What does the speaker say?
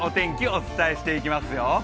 お伝えしていきますよ。